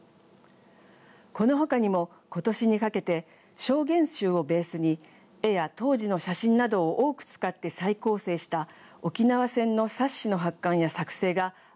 このほかにも今年にかけて証言集をベースに絵や当時の写真などを多く使って再構成した沖縄戦の冊子の発刊や作成が相次いでいます。